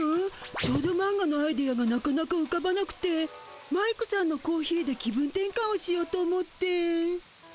少女マンガのアイデアがなかなかうかばなくてマイクさんのコーヒーで気分転かんをしようと思って。